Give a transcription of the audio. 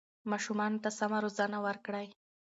ماشومانو ته سمه روزنه ورکړئ.